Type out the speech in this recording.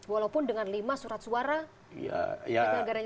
walaupun dengan lima surat suara negaranya lebih masif